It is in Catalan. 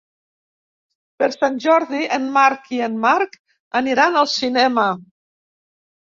Per Sant Jordi en Marc i en Marc aniran al cinema.